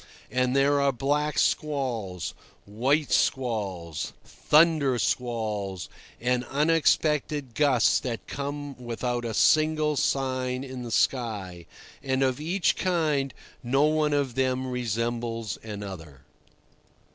And there are black squalls, white squalls, thunder squalls, and unexpected gusts that come without a single sign in the sky; and of each kind no one of them resembles another.